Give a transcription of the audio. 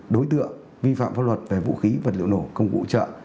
đối tượng vi phạm pháp luật về vũ khí vật liệu nổ công cụ hỗ trợ